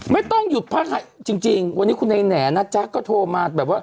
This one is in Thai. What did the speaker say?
ไม่ต้องหยุดพักจริงวันนี้คุณไอ้แหน่นะจ๊ะก็โทรมาแบบว่า